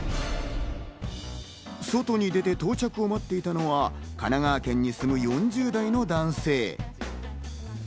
外に出て到着を待っていたのは神奈川県に住む４０代の男性。